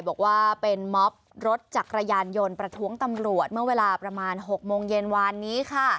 บอกว่าเป็นม็อบรถจักรยานยนต์ประท้วงตำรวจเมื่อเวลาประมาณ๖โมงเย็นวานนี้ค่ะ